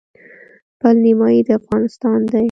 پل نیمايي د افغانستان دی.